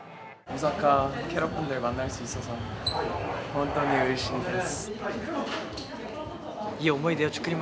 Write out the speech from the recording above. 本当にうれしいです。